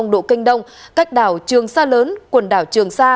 một trăm một mươi sáu độ cânh đông cách đảo trường sa lớn quần đảo trường sa